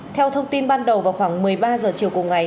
theo thông tin ban đầu vào khoảng một mươi ba h chiều cùng ngày